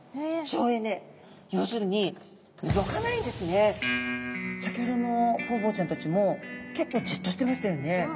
要するに先ほどのホウボウちゃんたちも結構じっとしてましたよね。